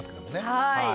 はい。